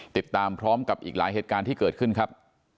ติดตามพร้อมกับอีกหลายเหตุการณ์ที่เกิดขึ้นครับ